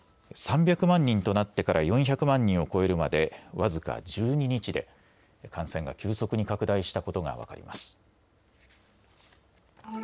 ３００万人となってから４００万人を超えるまで、僅か１２日で、感染が急速に拡大したことが分かります。